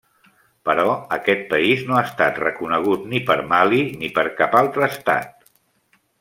Però aquest país no ha estat reconegut ni per Mali ni per cap altre estat.